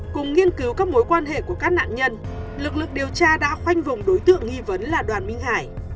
cùng nghiên cứu các mối quan hệ của các nạn nhân lực lượng điều tra đã khoanh vùng đối tượng nghi vấn là đoàn minh hải